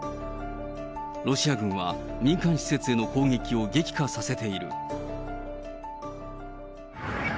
ロシア軍は民間施設への攻撃を激化させている。